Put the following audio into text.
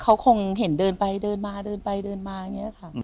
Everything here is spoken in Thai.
เขาคงเห็นเดินไปเดินมาเดินไปเดินมาอย่างนี้ค่ะ